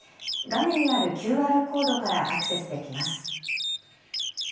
画面にあるＱＲコードからアクセスできます。